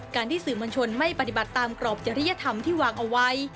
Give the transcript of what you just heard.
ที่สื่อมวลชนไม่ปฏิบัติตามกรอบจริยธรรมที่วางเอาไว้